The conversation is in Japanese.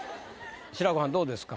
志らくはんどうですか？